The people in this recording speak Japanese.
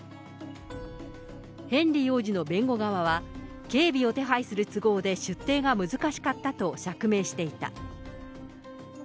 ヘンリー王子の弁護側は、警備を手配する都合で、出廷が難しかったと釈明していた。